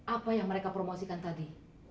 apa yang mereka promosikan tadi